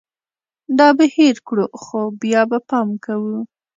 دا به هېر کړو ، خو بیا به پام کوو